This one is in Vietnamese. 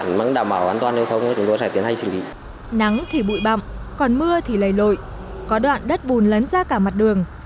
nắng thì bụi bậm còn mưa thì lầy lội có đoạn đất bùn lấn ra cả mặt đường